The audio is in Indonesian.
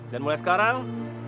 dan mulai sekarang